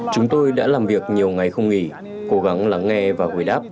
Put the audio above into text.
chúng tôi đã làm việc nhiều ngày không nghỉ cố gắng lắng nghe và gửi đáp